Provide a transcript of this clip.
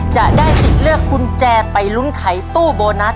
จะได้สิทธิ์เลือกกุญแจไปลุ้นไขตู้โบนัส